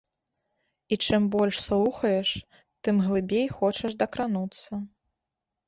І чым больш слухаеш, тым глыбей хочаш дакрануцца.